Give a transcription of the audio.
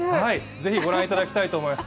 ぜひご覧頂きたいと思います。